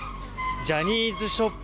ジャニーズショップ